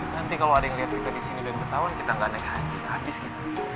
nanti kalau ada yang lihat kita disini dan ketahuan kita gak ada yang ngaji abis kita